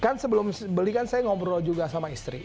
kan sebelum beli kan saya ngobrol juga sama istri